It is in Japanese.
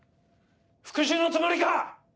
復讐のつもりか！